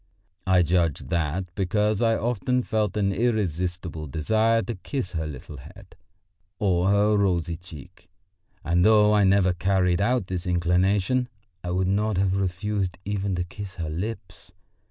I judge that because I often felt an irresistible desire to kiss her little head or her rosy cheek. And though I never carried out this inclination, I would not have refused even to kiss her lips.